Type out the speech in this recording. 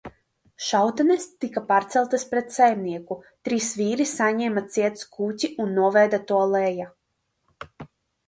Šautenes tika paceltas pret saimnieku, trīs vīri saņēma ciet skuķi un noveda to lejā.